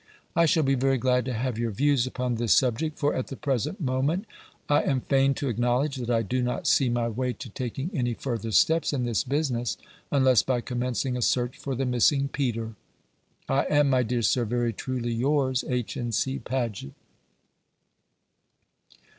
I shall be very glad to have your views upon this subject, for at the present moment I am fain to acknowledge that I do not see my way to taking any further steps in this business, unless by commencing a search for the missing Peter. I am, my dear Sir, very truly yours, H. N. C. PAGET.